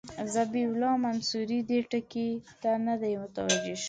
ذبیح الله منصوري دې ټکي ته نه دی متوجه شوی.